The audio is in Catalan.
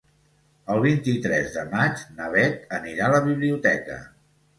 El vint-i-tres de maig na Bet anirà a la biblioteca.